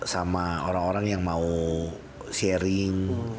sama orang orang yang mau sharing